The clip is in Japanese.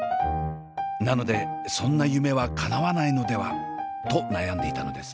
なのでそんな夢はかなわないのではと悩んでいたのです。